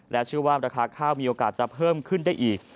เชื่อว่าราคาข้าวมีโอกาสจะเพิ่มขึ้นได้อีก